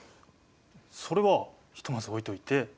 それはひとまず置いといて。